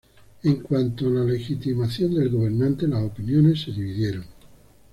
En cuanto a la legitimación del gobernante, las opiniones se dividieron.